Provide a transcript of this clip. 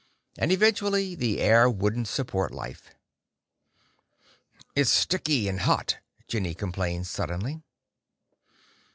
And eventually, the air wouldn't support life. "It's sticky and hot," Jenny complained, suddenly.